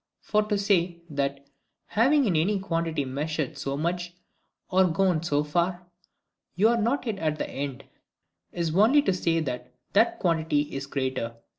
For to say, that, having in any quantity measured so much, or gone so far, you are not yet at the end, is only to say that that quantity is greater.